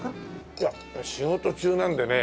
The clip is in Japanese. いや仕事中なんでね